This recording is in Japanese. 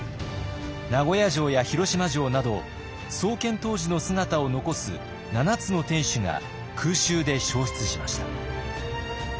名古屋城や広島城など創建当時の姿を残す７つの天守が空襲で焼失しました。